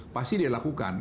pasti dia lakukan